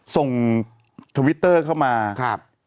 ส่งทวิตเตอร์เข้ามา